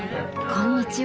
こんにちは。